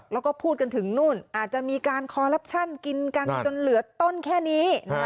แล้วก็พูดกันถึงนู่นอาจจะมีการคอลลับชั่นกินกันจนเหลือต้นแค่นี้